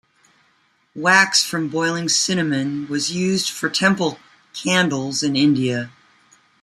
Wax from boiling cinnamon was used for temple candles in India.